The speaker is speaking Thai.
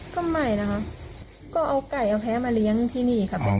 ก็ไม่นะคะก็เอาไก่เอาแพ้มาเลี้ยงที่นี่ค่ะ